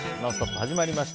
始まりました。